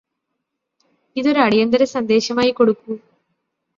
ഇതൊരു അടിയന്തിര സന്ദേശമായി കൊടുക്കൂ